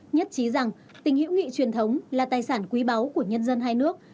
nhất trí rằng tình hữu nghị truyền thống là tài sản quý báu của nhân dân hai nước